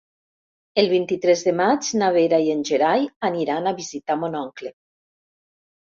El vint-i-tres de maig na Vera i en Gerai aniran a visitar mon oncle.